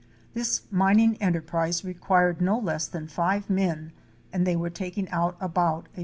This mining enterprise required no less than five men, and they were taking out about $1.